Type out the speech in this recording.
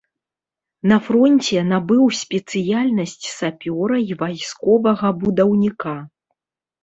На фронце набыў спецыяльнасць сапёра і вайсковага будаўніка.